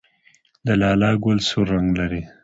د لاله ګل سور رنګ لري